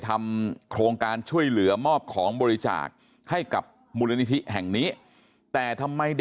ทำโครงการช่วยเหลือมอบของบริจาคให้กับมูลนิธิแห่งนี้แต่ทำไมเด็ก